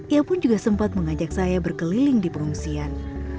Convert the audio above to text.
ia pun juga sempat mengajak saya berkeliling di pengungsian